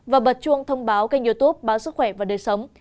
và bật chuông thông báo kênh youtube báo sức khỏe và đời sống